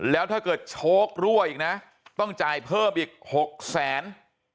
แล้วถ้าเกิดโชครั่วอีกนะต้องจ่ายเพิ่มอีกหกแสน